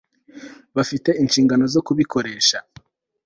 bafite inshingano zo kubikoresha